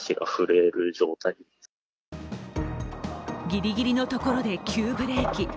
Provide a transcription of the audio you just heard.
ぎりぎりのところで急ブレーキ。